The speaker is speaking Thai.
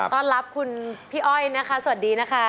ต้อนรับคุณพี่อ้อยนะคะสวัสดีนะคะ